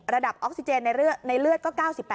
ออกซิเจนในเลือดก็๙๘